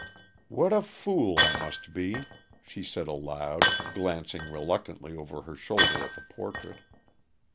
"What a fool I must be!" she said aloud, glancing reluctantly over her shoulder at the portrait.